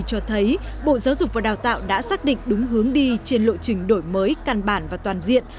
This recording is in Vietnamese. cho thấy bộ giáo dục và đào tạo đã xác định đúng hướng đi trên lộ trình đổi mới căn bản và toàn diện